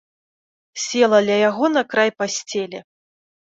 Села ля яго на край пасцелі.